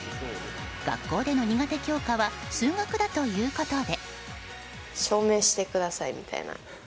学校での苦手強化は数学だということで。